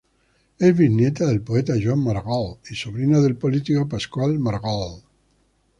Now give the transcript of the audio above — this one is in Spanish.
Es bisnieta del poeta Joan Maragall y sobrina del político Pasqual Maragall.